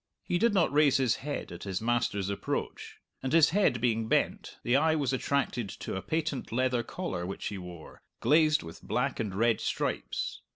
He did not raise his head at his master's approach. And his head being bent, the eye was attracted to a patent leather collar which he wore, glazed with black and red stripes.